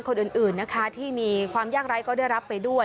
คนอื่นนะคะที่มีความยากไร้ก็ได้รับไปด้วย